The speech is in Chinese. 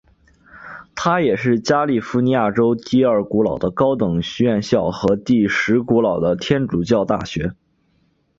它也是加利福尼亚州第二古老的高等院校和第十古老的天主教大学。